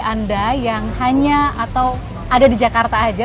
anda yang hanya atau ada di jakarta saja